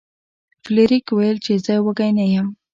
فلیریک وویل چې زه وږی نه یم.